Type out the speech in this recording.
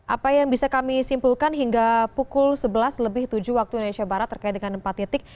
apa yang bisa kami simpulkan hingga pukul sebelas lebih tujuh waktu indonesia barat terkait dengan empat titik